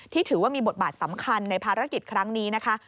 ถือว่ามีบทบาทสำคัญในภารกิจครั้งนี้นะคะ